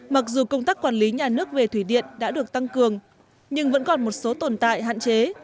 mặc dù công tác quản lý nhà nước về thủy điện đã được tăng cường nhưng vẫn còn một số tồn tại hạn chế